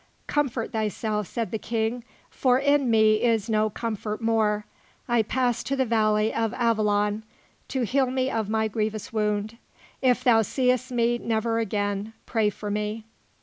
"Comfort thyself," said the King, "for in me is no comfort more. I pass to the Valley of Avilion, to heal me of my grievous wound. If thou seest me never again, pray for me."